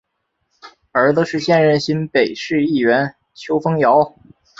儿子是现任新北市议员邱烽尧。